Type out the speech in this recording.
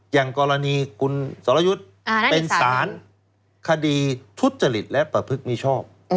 อย่างกรณีคุณสรยุทธ์เป็นสารคดีทุจริตและประพฤติมิชอบ